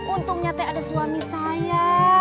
untungnya teh ada suami saya